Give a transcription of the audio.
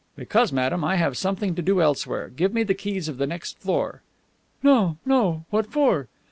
"Because, madame, I have something to do elsewhere. Give me the keys of the next floor." "No, no. What for?"